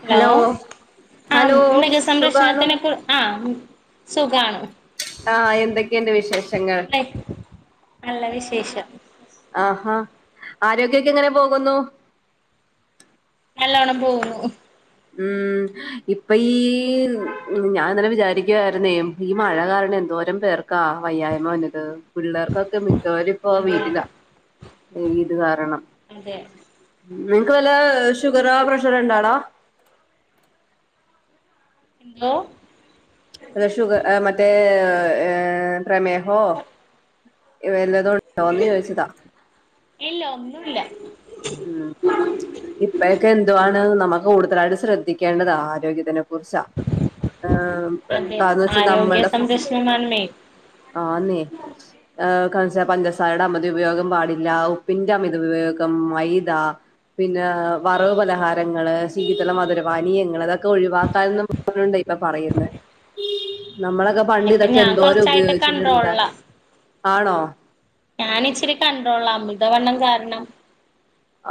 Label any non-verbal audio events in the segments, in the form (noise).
Hello അ hello സുഖാണോ മൃഗസംരക്ഷണത്തിനൊക്കെ ആ സുഖാണ് ആഹ് എന്തേക്കെയിണ്ട് വിശേഷങ്ങൾ നല്ലവിശേഷം ആഹാ ആരോഗ്യോക്കെ എങ്ങനെ പോകുന്നു? നല്ലോണം പോകു. ഉം ഇപ്പയീ ഞാനിങ്ങനെ വിജാ രിക്കുവായിരുന്നേ ഈ മഴകാരണം എന്തോരം പേർ കാ വയ്യായ്മവന്നത് പിള്ളേർക്കൊക്കെ മിക്കവരുപ്പോ അതെ വീട്ടിലാ ഇത്കാരണം അതെ നിങ്ങക്ക്വല്ല ഷുഗറോ പ്രഷറോ ഇണ്ടോടാ എന്തോ? അത്ഷുഗർ എ മറ്റേ ഏ പ്രമേഹോ ഏ ല്ലാതോ ണ്ടോന്ന് ചോയ്ച്ചത. ഇല്ല ഒന്നുല്ല ഉം ഇപ്പഴൊക്കെ എന്തുവാണ് നമ്മ കൂടുതലായിട്ടും സ്രദ്ധിക്കേണ്ടത് ആരോഗ്യത്തിനെ കുർച്ചാ. ആം വ് അതെ കാരണവെച്ചാ ആരോഗ്യ നമ്മുടെ ഫു സംരക്ഷണമാണ് മെയിൻ ആന്നേ ആ കാണിച്ച പഞ്ചസാരയുടെ അമിത ഉപയോഗം പാടില്ല ഉപ്പിന്റെ അമിത ഉപയോഗം മൈദാ പിന്നെ വറവ്പലഹാരങ്ങള് ശീതള മധുരപാനീയങ്ങൾ അതൊക്കെ ഒഴിവാക്കാൻ നുണ്ടേ ഇപ്പൊപറയുന്ന് നമ്മളൊക്കെ പണ്ട് ഇപ്പൊ ഇതൊക്കെ ഞാൻ എന്തോരം കൊറച്ചായിട്ട് ഉപയോഗിച്ചിട്ടുള്ളതാ കൺട്രോളിലാ ആണോ? ഞാനിച്ചിരി കണ്ട്രോള അമിതവണ്ണം കാരണം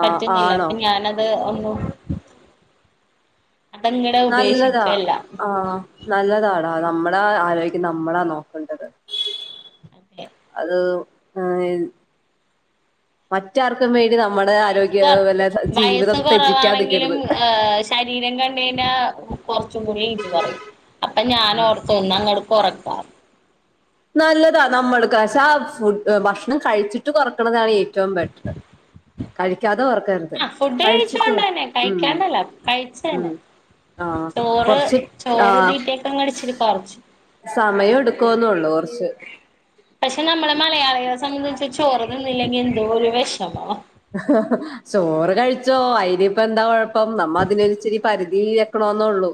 ആഹ് പറ്റുന്നില്ല ആണോ അപ്പൊ ഞന ത് ഒന്നും അതങ്ങട് നല്ലതാ ഉപേക്ഷിച്ചല്ലാ ആഹ് നല്ലതാടാ നമ്മളെ ആരോഗ്യം നമ്മളാ നോക്കണ്ടത്. അതെ അത് ഏ മറ്റാർക്കുംവേണ്ടി നമ്മടെ വയസ്സ് ആരോഗ്യ കൊറ വെ ല്ല വയസ്സ് ജീവിതം കൊറവാണെങ്കിലും തെജിക്കാൻനിക്കരുത് ഏഹ് ശരീരം കണ്ടകഴഞ്ഞാ കൊർച്ചുംകൂടി എയ്ജ് പറയും അപ്പൊ ഞാനോർ ഒന്നങ്ങട് കൊറക്ക നല്ലതാ നമ്മൾക്ക് കഷാ ആ ഫുഡ് ഭക്ഷണം കഴിച്ചിട്ട് കുറക്കണതാ ഏറ്റവും ബെറ്റർ കഴിക്കാതെകൊർ ആ ഫുഡ് കഴിച്ചോണ്ടെന്നേ കഴിക്കാണ്ടല്ല ഉം കഴിച്ചെന്നെ ആഹ് ട്ടോറ് കൊറച്ച് ചോറ് തീറ്റെക്കങ്ങട് ച്ചിരി കൊർച്ച് സമയ എടുകൊന്നൊള്ളു കൊർച്ച് പക്ഷെ നമ്മള് മലയാളികളെ സംബന്ധിച്ച് ചോർതിന്നില്ലെങ്കി എന്തോര് വെഷമവാ. (unintelligible) ചോറ് കഴിച്ചോ അയ്നിപ്പേന്താ കൊഴപ്പം നമ്മ അതിനിച്ചിരി പരിധിയിൽ വെക്കണോന്നൊള്ളൂ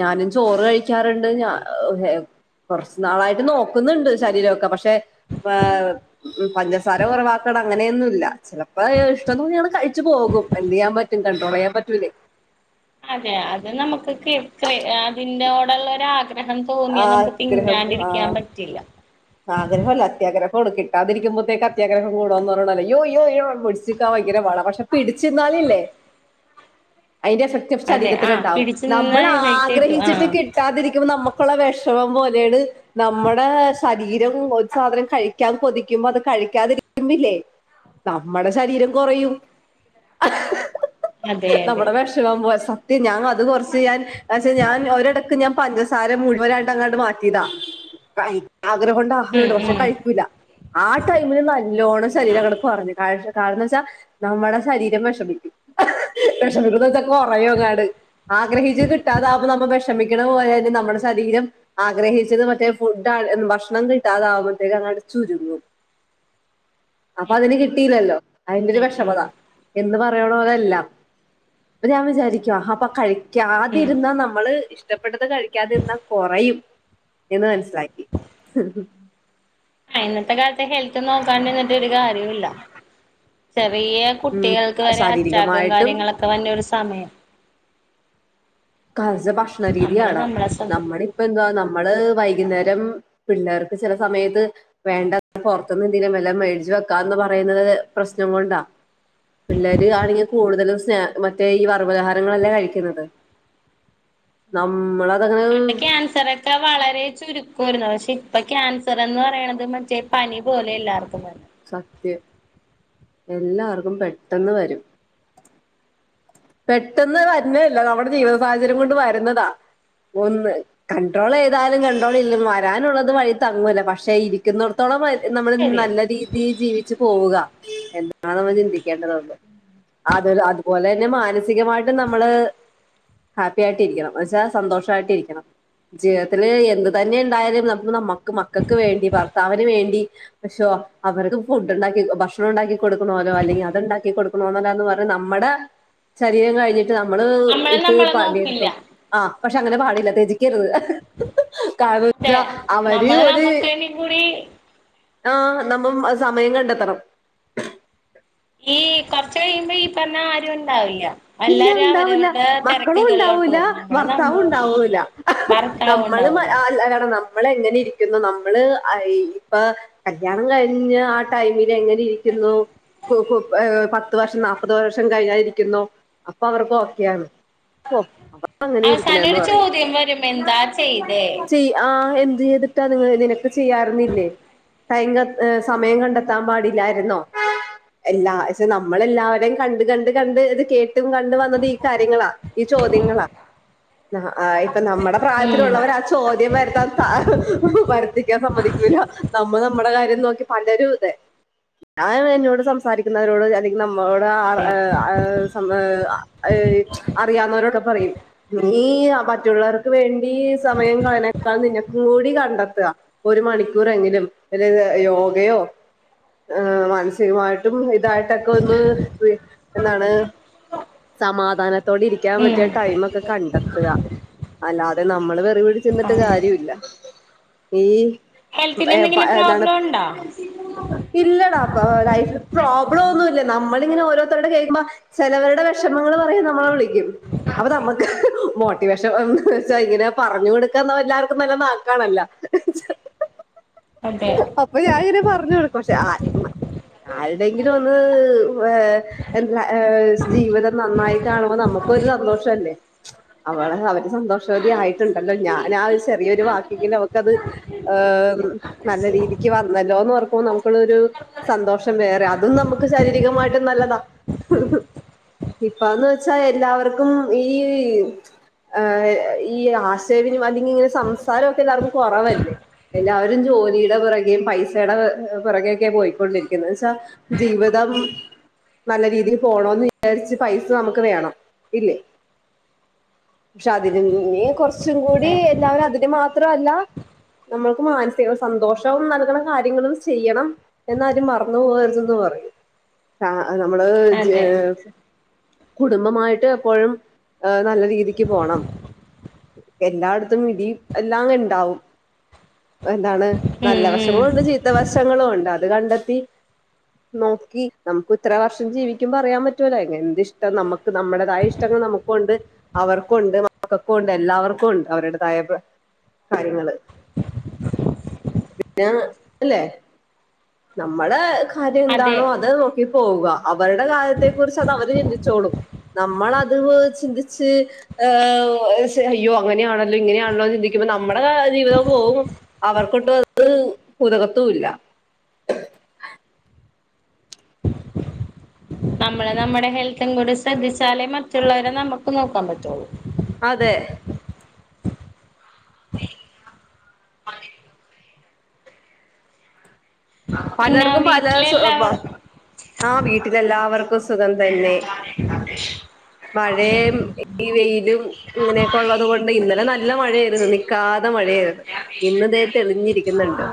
ഞാനും ചോറ്കഴിക്കാർണ്ട് ഞ ഹു ഹെ. കൊർച്ച് നാളായിട്ട് നോക്കുന്നുണ്ട് ശരീരൊക്കെ പക്ഷെ വാവ് പഞ്ചസാര കൊറവാക്കണ അങ്ങനെയൊന്നും. ഇല്ല ചിലപ്പോ ഇഷ്ടം തോന്നിയാ ഞങ്ങള് കഴിച്ചു പോകും എന്ത് ചെയ്യാൻ പറ്റും കണ്ടട്രോൾ ചെയ്യാൻ പറ്റൂലേ അതെ അത് നമുക്ക്കി ക്രി അതിന്റോട്ള്ള ഒര് ആഗ്രഹം തോന്നിയാ നമുക്ക് ആഗ്രഹം ആ തിന്നാണ്ടിരിക്കാൻ പറ്റില്ല ആഗ്രഹമല്ല അത്യാഗ്രഹം കൂ കിട്ടാതിരിക്കുമ്പോഴാത്തേക്കെ അത്യാഗ്രഹം കൂടുമെന്ന് പറയണ പോലെ ഇയ്യോ ഇയ്യോ യ്യോ പിടിച്ചിക്കാൻ ഭയങ്കര പാടാ പക്ഷെ പിടിച്ചിന്നാലില്ലേ അതിന്റെ എഫക്ട് ചപ്പ് അതെ ആഹ് ശരീരത്തിലുണ്ടാവും പിടിച്ചു നിന്നാ നമ്മൾ വെയിറ്റ് കിട്ടും ആഗ്രഹിച്ചിട്ട് ആഹ് കിട് റ്റാതിരിക്കുമ്പോൾ നമ്മക്കൊള്ള വെഷമം പോലെയാണ് നമ്മുടെ ശരീരം ഒരു സാധനം കഴിക്കാൻ കൊതിക്കുമ്പോ അത് കഴിക്കാതിരിക്കുമ്പ ഇല്ലേ നമ്മടെ ശരീരം കൊറയും ഇ (inaudible) (unintelligible) നമ്മടെ വെഷ ലോങ്ങ സത്യം ഞാൻ അത് കുറച്ചെ ഞാൻ ന്നേച്ചാ ഞാൻ അവരോടൊക്കെ ഞാൻ പഞ്ചസാര മുഴുവനായിട്ടങ്ങാട്ട് മാറ്റ് ഇതാ കഴിക്ക്‌ ഉം ആഗ്രോണ്ടാഹും പക്ഷെ ഉം കഴിക്കൂല്ല ആ ടൈമില് നല്ലോണം ശരീരങ്ങോട്ടു കൊറഞ്ഞു കാരണച്ചാ നമ്മുടെ ശരീരം വെഷമിക്കും വിഷമിക്കതക്ക കൊറയും അങ്ങടെ ആഗ്രഹിച്ചത് കിട്ടാതാവുമ്പം നമ്മൾ വിഷമിക്കണ പോലെ തന്നെ നമ്മുടെ ശരീരം ആഗ്രഹിച്ചത് മറ്റേ ഫുഡ്‌ താഴേന്നെ ഭക്ഷണം കിട്ടാതാവുമ്പോഴത്തേക്കങ്ങട്ട് ചുരുങ്ങും അപ്പ അതിന് കിട്ടിയില്ലല്ലോ. അതിന്റെയൊരു വിഷമത എന്ന് പറയണവരല്ലാം അപ്പ ഞാൻ വിചാരിക്കുവാ അപ്പ കഴി ഉം യ്ക്കാതിരുന്നാ നമ്മള് ഇഷ്ടപ്പെട്ടത് കഴിക്കാതിരുന്നാ കൊറയും എന്ന് മനസ്സിലായി ഉം ഉം ഇന്നത്തെ കാലത്തെ ഹെൽത്തെ നോക്കാണ്ടിരുന്നിട്ട് ഒരു കാര്യോല്ല ചെറിയ ഉം കുട്ടികൾക്ക് വരെ അറ്റാക്കും ശാരീരികമായിട്ടും കാര്യങ്ങളൊക്കെ വന്ന ഒരു സമയം കാലസെ നമ്മള് ഭക്ഷണരീതിയാടാ നമ്മളെ ശ്രദ്ധി നമ്മടി ഇപ്പെന്തുവാ നമ്മള് വൈകുന്നേരം പിള്ളേർക്ക് ചെല സമയത്ത് വേണ്ട പൊറത്തൂന്നെന്തേലും വെല്ലോം മേടിച്ചു വെക്കാന്ന് പറയുന്നത് പ്രശ്നം കൊണ്ടാ പിളേളര് ആണെങ്കി കൂടുതലും സ്നാ മറ്റേ ഈ വറവ് ആഹാരങ്ങളല്ലേ കഴിക്കണത് നമ്മളെ പണ്ടെക്കെ ക്യാൻസറെ ഒക്കെ വളരെ ചുരുക്കായിരുന്നു പക്ഷെ ഇപ്പ ക്യാൻസർ എന്ന് പറയണത് മറ്റേ പനി പോലെ എല്ലാവർക്കും വരണതെ സത്യ എല്ലാർക്കും പെട്ടെന്ന് വരും. പെട്ടെന്ന് വരുന്നല്ല നമ്മുടെ ജീവിത സാഹചര്യം കൊണ്ട് വരുന്നതാ ഒന്ന് കൺണ്ട്രോളു ചെയ്താലും കണ്ട്രോൾ ഇല്ല വരാനുള്ളത് വഴീ തങ്ങൂല്ല പക്ഷെ ഇരിക്കുന്നിടത്തോളം വരു അത് നമ്മള് ശരിയാ നല്ല രീതി ജീ ജീവിച്ചു പോവുക എന്നാണ് നമ്മൾ ചിന്തിക്കേണ്ടതതെ അതെ അത് ഒലെനെ മാനസികമായിട്ടും നമ്മള് ഹാപ്പി ആയിട്ട് ഇരിക്കണം എന്നെച്ചാൽ സന്തോഷായിട്ടിരിക്കണം ജീവിതത്തില് എന്ത് തന്നെ ഉണ്ടായാലും നമ നമ്മുക്ക് മക്കൾക്ക് വേണ്ടി ഭർത്താവിന് വേണ്ടി പക്ഷോ അവർക്ക് ഫുഡ്ണ്ടാക്കി ഭക്ഷണം ഉണ്ടാക്കി കൊടുക്കണമല്ലോ അല്ലെങ്കിൽ അതുണ്ടാക്കി കൊടുക്കണോന്നല്ലന്ന് പറ നമ്മടെ ശരീരം കഴിഞ്ഞിട്ട് നമ്മള് നമ്മള് ഇട്ടു നമ്മളെ നോക്കില്ല പണിയെടുക്കും ആഹ് പക്ഷെ അങ്ങനെ പാടില്ല ത്യജിക്കരുത് അതെ കറക്റ്റഅവര് നമ്മള് ഒരി നമ്മുക്ക്വേണ്ടി കൂടി ആഹ് നമ്മം സമയം കണ്ടെത്തണം ഈ കൊറച്ചു കഴിയുമ്പ ഈ പറഞ്ഞ ആരും ഉണ്ടാവില്ല പിന്നെ എല്ലാരും ഉണ്ടാവൂല്ല അവരവരുടെ മക്കളും തിരക്കുകളിലോട്ട് ഉണ്ടാവൂല പോകും നമ്മള് ഭർത്താവും നമ്മ ഉണ്ടാവൂല ഭർത്താവ് നമ്മളു മ ഉണ്ടാവൂലോ അല്ല കണണം നമ്മൾ എങ്ങനിരിക്കുന്നു നമ്മളെ ആയി ഇപ്പ കല്യാണം കഴിഞ്ഞ ആ ടൈമിലെങ്ങനിരിക്കുന്നു കുകു പെ ഏ പത്ത് വർഷം നാപ്പത് വർഷം കഴിഞ്ഞാതിരിക്കുന്നു. അപ്പവർക്കോക്കെയാണ് പോ അവ അവസാനം ഒരു ചോദ്യം വരും, എന്താ ചെയ്തേ. ആഹ് എന്ത് ചെയ്തിട്ടാ, നിങ്ങള് ഇതിനൊക്കെ ചെയ്യാറുന്നില്ലേ? (unintelligible) സമയം കണ്ടെത്താൻ പാടില്ലായിരുന്നോ എല്ലാ പക്ഷെ നമ്മൾെല്ലാവരെയും കണ്ട് കണ്ട് കണ്ട് അത് കേട്ട് കണ്ട് വന്നത് ഈ കാര്യങ്ങളാ, ഈ ചോദ്യങ്ങളാ. ഇപ്പൊ നമ്മുടെ ഉം പ്രായത്തിലുള്ളവറ ചോദ്യം വരുത്താൻ സ വർത്തിക്കാൻ സമ്മതികുല്ല..... നമ്മ നമ്മുടെ കാര്യം നോക്കി പലരും ഇതെ ഞാൻ എന്നോട് സംസാരിക്കുന്നവരോട് അല്ല നമ്മളോട് ആഹ് ആഹ് ആഹ് സംവ ആഹ് അറിയാവുന്നവരൊക്കെ പറയും നീ മറ്റുള്ളവർക്ക് വേണ്ടി സമയം കലയുന്നക്കാൾ നിനക്കും കൂടി കണ്ടെത്ത ഒരു മണിക്കൂറെങ്കിലും (unintelligible) യോഗയോ ഹ് മാനസികമായിട്ടും ഇതായിട്ടൊക്കെ ഒന്ന് എന്താണ് സമാധാനത്തോടെ ഇരിക്കാൻ ഉം പറ്റിയ ടൈമൊക്കെ കണ്ടെത്തുക, അല്ലാതെ നമ്മള് വെറു ചെന്നിട്ട് അതെ കാര്യോം ഇല്ല. ഈ ഹെൽത്തിന് എന്തെങ്കിലും പ്രോബ്ലം (unintelligible) ഉണ്ടോ ഇല്ലടാ അപ്പ ലൈഫിൽ പ്രോബ്ലം ഒന്നുമല്ല നമ്മളിങ്ങനെ ഓരോരുത്തരുടെ കേൾക്കുമ്പോ ചിലവരുടെ വിഷമങ്ങൾ പറയും നമ്മളെ വിളിക്കും അപ്പൊ നമ്മുക്ക് മോട്ടിവേഷൻച്ച ഇങ്ങനെ പറഞ്ഞു കൊടുക്കുന്ന എല്ലാർക്കും നല്ല നാക്കാണല അതെ. അപ്പൊ ഞാൻ ഇടെ പറഞ്ഞു കൊടുക്കും പക്ഷേ ആ ആരുടെങ്കിലും ഒന്ന് (unintelligible) ഏഹ് ജീവിതം നന്നായി കാണുമ്പോൾ നമുക്കൊരു സന്തോഷല്ലേ. അവള് അവര് സന്തോഷവതി ആയിട്ടുണ്ടല്ലോ, ഞാൻ ആ ഒരു ചെറിയൊരു വാക്കെങ്കിലിൽ അവക്കത് ഏഹ് നല്ല രീതിക്ക് വന്നല്ലോന്ന് പറയുമ്പോ നമുക്കുള്ളൊരു സന്തോഷം വേറെ അതും നമുക്ക് ശാരീരികമായിട്ടും നല്ലതാ ഇപ്പന്ന് വെച്ചാ എല്ലാവർക്കും ഈ ഏഹ് ഇ ആശയവിനും അല്ലെങ്കിൽ ഇങ്ങനെ സംസാരം ഒക്കെ എല്ലാവർക്കും കുറവല്ലേ എല്ലാവരും ജോലിയുടെ പിറകെയും പൈസയുടെ പിറകെയൊക്കെയാ പോയിക്കൊണ്ടിരിക്കുന്നത് പക്ഷാ.... ജീവിതം നല്ല രീതി തിന് പോണന്ന് വിചാരിച്ച് പൈസ നമുക്ക് വേണം ഇല്ലേ? ക്ഷെ അതിും ഇനി കുറച്ചും കൂടി അതെ എല്ലാവരും അതിന് മാത്രല്ല..... നമ്മൾക്ക് മാനസിക സന്തോഷവും നൽകണ കാര്യങ്ങള് ചെയ്യണം എന്നാരും മറന്നു പോകരുതെന്ന് പറയും. ആഹ് ആഹ് നമ്മള് അതെ കുടുംബമായിട്ട് എപ്പോഴും നല്ല രീതിക്ക് പോണം എല്ലായിടത്തും ഇടീം എല്ലാം ഇണ്ടാവും എന്താണ് ഉം നല്ല ഉം വശങ്ങള ഉണ്ട് ചി ഇവശങ്ങളും ഉണ്ട് അത് കണ്ടെത്തി നോക്കി നമുക്ക് ഇത്ര വർഷം ജീവി ക്കും പറയാൻ പറ്റൂല, എന്തിഷ്ടം നമുക്ക് നമ്മടേതായ ഇഷ്ടങ്ങൾ നമുക്കൊണ്ട് അവർക്കുണ്ട്, മക്കക്കുണ്ട്, എല്ലാവർക്കുണ്ട് അവരുടെതായ കാര്യങ്ങള് പിന്നെ അല്ലേ, നമ്മള് കാര്യം അതെ എന്താണോ അത് നോക്കി പോവുക, അവരുടെ കാര്യത്തെ കുറിച്ച് അത് അവര് ചിന്തിച്ചോളും. നമ്മളത് ചിന്തിച്ച് ഏ അയ്യോ അങ്ങനെയാണല്ലോ ഇങ്ങനെയാണല്ലോ ചിന്തിക്കുമ്പോ നമ്മുടെ ജീവിത പോകും അവർക്കൊട്ടും അത് പുതകത്തും ഇല്ല നമ്മള് നമ്മുടെ ഹെൽത്തും കൂടി ശ്രദ്ധിച്ചാലേ മറ്റുള്ളവരെ നമുക്ക് നോക്കാൻ പറ്റുള്ളൂ. അതെ. പിന്നെ പലർക്കും പല സ്വഭാ വീട്ടിലെല്ലാവർ ആഹ് വീട്ടിലെല്ലാവർക്കും സുഖം തന്നെ. മഴേം ഈ വെയിലും ഇങ്ങനെയൊക്കെ ഉള്ളതുകൊണ്ട്, ഇന്നലെ നല്ല മഴയായിരുന്നു, നിക്കാതെ മഴയായിരുന്നു. ഇന്ന് ദേ തെളിഞ്ഞിരിക്കുന്നുണ്ട്,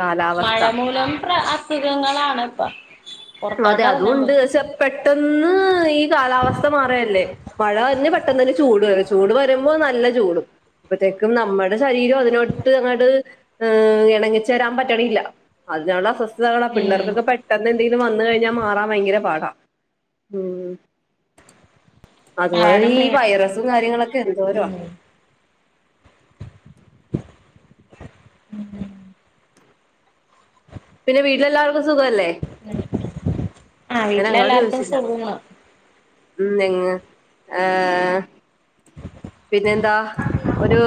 കാലാവസ്ഥ. മുലം പ്ര അസ് സുഖങ്ങളാണ് പ്പൊ അതെ അതൂണ്ട്. പക്ഷെ പെട്ടന്ന് ഈ കാലാവസ്ഥ മാറല്ലേ. മഴ (unintelligible) പെട്ടെന്ന് തന്നെ ചൂട് വരും ചൂട് വരുമ്പോ നല്ല ചൂടും അപ്പഴത്തേക്കും നമ്മടെ ശരീരം അതിനോട്ട് അങ്ങട്ട് എണങ്ങിച്ചേരാൻ പറ്റണില്ല അതിന്ള്ള അസ്വസ്ഥതകളാ ഉം പിള്ളേർക്കൊക്കെ പെട്ടെന്ന് എന്തെലും വന്ന് കഴിഞ്ഞാ മാറാൻ ഭയങ്കര പാടാ ഉം അതുപോലെ കാരണം ഈ വൈറസും കാര്യങ്ങളൊക്കെ എന്തോരോ ഉം പിന്നെ വീട്ടിലെല്ലാർക്കും സുഖല്ലേ ഉം അതിന് ഞങ്ങളോട് ചോദിച്ചില്ല ഉം ങ്ങ് ഏ പിന്നെന്താ ഒര്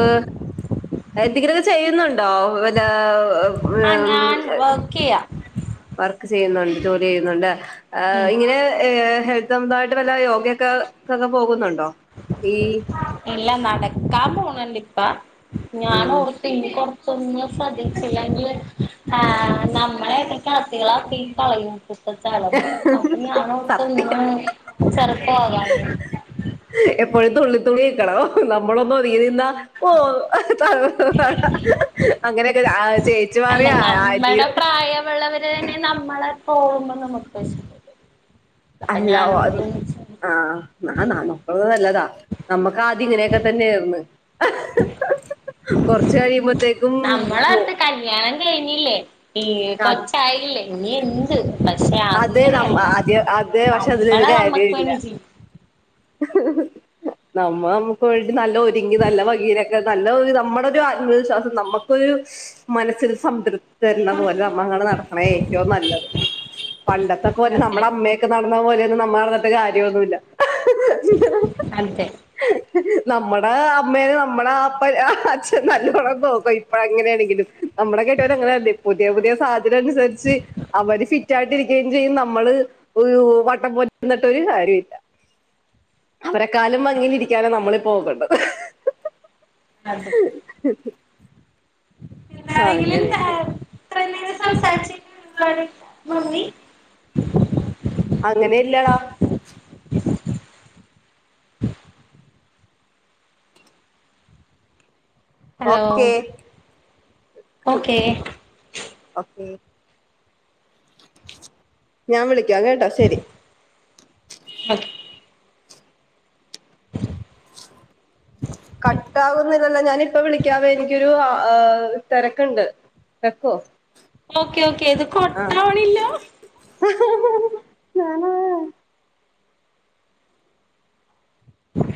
എന്തെങ്കിലൊക്കെ ചെയ്യുന്നുണ്ടോ? ഏ ക്കിയ വർക്ക് ചെയ്യുന്നുണ്ട് ജോലി ചെയ്യുന്നുണ്ട് ലെ ഉം ഇങ്ങനെ ഹെ സ്വന്തായിട്ട് വല്ല യോഗൊക്കൊക്കെ പോകുന്നുണ്ടോ ഈ ഇല്ല നടക്കാൻ പോണണ്ട് ഇപ്പം ഉം ഞാനോർത്ത് ഇനിപ്പം ഒന്നും ശ്രദ്ധിച്ചില്ലെങ്കി ഏ നമ്മളെക്കെ കളസികളാക്കി കളയും (unintelligible) അപ്പൊ ഞാനോർത്ത് സത്യം ഇന്നും ചെറുപ്പാകാന്ന് എപ്പോഴും തുള്ളിത്തുള്ളി നിക്കണം നമ്മളൊന്ന് ഒതുങ്ങി നിന്നാ ഓ അങ്ങനൊക്ക തേച്ചു മാറിയാ (inaudible) അതന്നെ നമ്മളെ പോക്മ്പോ നമ്മക്ക് അല്ല അത് ആ ന നമുക്ക് അത് നല്ലതാ നമ്മക്കാദ്യം ഇങ്ങനൊക്കെ തന്നേയ്ന്ന് കൊർച്ച് കഴിയുമ്പോ നമ്മള അടുത്ത് കല്യാണം കഴിഞ്ഞില്ലേ ഈ അത് കൊച്ചായില്ലേ ഇനി എന്ത് പക്ഷെ അതെ നമ്മ അങ്ങനെയല്ല ആദ്യ അതേ പക്ഷെ അതിലൊരു നമ്മളെ നമ്മക്ക് കാര്യൊല്ല വേണ്ടി ജീവി നമ്മൾ നമുക്ക് വേണ്ടി നല്ല ഒരുങ്ങി നല്ല ഭംഗിയിലൊക്കെ നല്ല നമ്മുടെ ഒരു ആത്മവിശ്വാസം നമ്മക്കൊരു മനസ്സില് സംതൃപ്തി തരുന്ന പോലെ നമ്മങ്ങട്ട് നടക്കുന്ന ഏറ്റവും നല്ലത് പണ്ടത്തെ പോലെ അതെ നമ്മടെ അമ്മയൊക്കെ നടന്ന പോലൊന്നും നമ്മള് നടന്നിട്ട് കാര്യന്നുല്ല (unintelligible) നമ്മടെ അമ്മേനെ നമ്മടെ അപ്പ അച്ഛൻ നല്ലോണം നോക്കും ഇപ്പഴങ്ങനേണേലും നമ്മടെ കെട്യോൻ അങ്ങനെ പുതിയ പുതിയ സാഹചര്യം അൻസരിച്ച് അവര് ഫിറ്റായിട്ടിരി ക്കേം ചെയ്യും നമ്മള് ഒരു വട്ടം പൊലെര്ന്ന്ട്ട് ഒരു കാര്യോല്ല അവരെക്കാലും ഭംഗിലിരിക്കാനാ നമ്മളിപ്പോ നോക്കണ്ട് അതെ ഇന്നാ ണെങ്കിലും നേ അങ്ങനെയൊക്കെ ഇത്ര നേരം സംസാരിച്ചി (unintelligible) മമ്മി അങ്ങനെ ഇല്ലടാ ഹലോ ഓക്കെ ഓക്കെ ഓക്കെ ഞാൻ വിളിക്കാം കേട്ടോ ശെരി (unintelligible) കട്ടാവുന്നില്ലല്ലോ? ഞാനിപ്പ വിളിക്കാവെ എനിക്കൊരു തെരക്കുണ്ട്. തെക്കോ ഓക്കേ ഓക്കേ ത് കട്ടാവ്ണില്ലാ ഞാന്